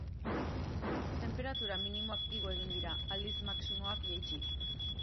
Tenperatura minimoak igo egingo dira, aldiz, maximoak, jaitsi.